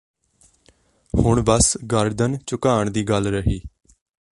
ਹੁਣ ਬਸ ਗਰਦਨ ਝੁਕਾਣ ਦੀ ਗੱਲ ਰਹੀ